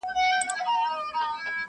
له تر بور سره پخوا هډونه مات وه!